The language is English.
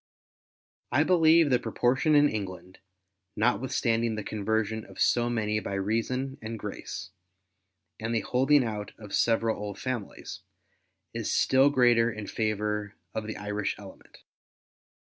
161 I believe the proportion in England, notwithstanding the con version of so many by reason and grace, and the holding out of several old families, is still greater in favour of the Irish element.